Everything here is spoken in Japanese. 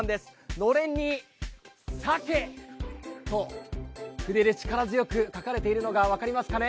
のれんに「鮭」と筆で力強く書かれているのが分かりますかね。